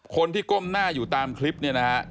คนที่ก้มหน้าอยู่ตามคลิปเนี่ยนะฮะ